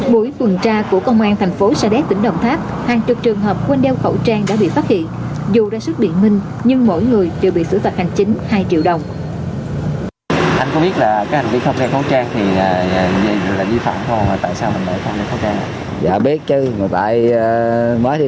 buổi tuần tra của công an thành phố sa đét tỉnh đồng tháp